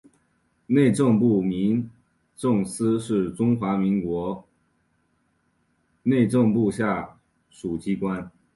内政部民政司是中华民国内政部下属机关。